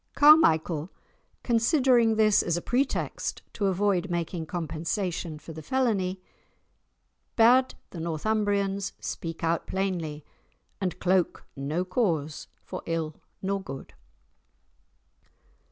Carmichael, considering this as a pretext to avoid making compensation for the felony, bade the Northumbrians speak out plainly, and "cloke no cause for ill nor good."